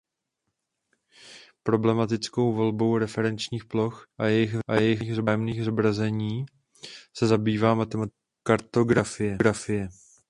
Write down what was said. Problematikou volby referenčních ploch a jejich vzájemných zobrazení se zabývá matematická kartografie.